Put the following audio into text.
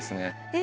え！